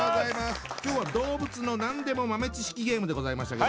今日は動物の何でも豆知識ゲームでございましたけども。